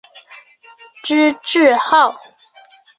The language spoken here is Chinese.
知制诰。